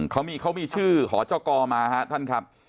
เขามีชื่อหอจกมาครับท่านครับ